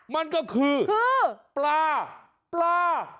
มันก็คือคือปลา